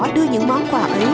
đưa những món quà ấy